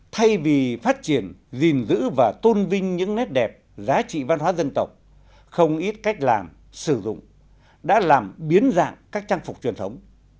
thay vì phát triển gìn giữ và tôn vinh những nét đẹp giá trị văn hóa dân tộc không ít cách làm sử dụng đã làm biến dạng các trang phục truyền thống